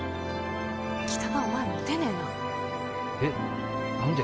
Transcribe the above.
北田お前モテねえなえっ何で？